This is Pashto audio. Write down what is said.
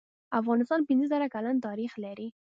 افغانستان پنځه زر کلن تاریخ لري.